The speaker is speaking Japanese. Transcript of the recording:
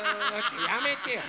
やめてよ。